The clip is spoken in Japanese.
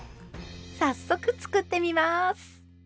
早速作ってみます。